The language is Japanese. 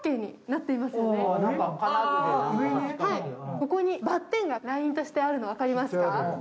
ここにバッテンがラインとしてあるの、分かりますか？